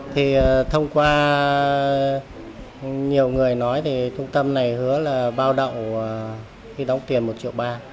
thì thông qua nhiều người nói thì trung tâm này hứa là bao đậu khi đóng tiền một triệu ba